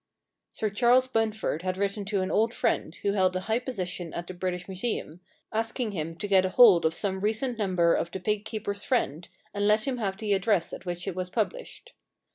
Sir Charles Bunford had written to an old friend who held a high position at the British 222 The Pig Keeper's Problem Museum, asking him to get hold of some recent number of The Pig Keepers' Friend^ and let him have the address at which it was published.